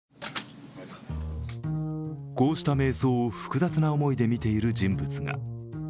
こうした迷走を複雑な思いで見ている人物が。